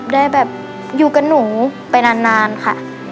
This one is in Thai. ได้แบบอยู่กับหนูไปนานค่ะ